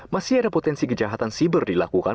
masih ada potensi kejahatan siber dilakukan